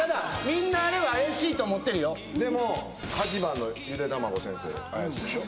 みんなあれは怪しいと思ってるよでも８番のゆでたまご先生怪しいでしょ？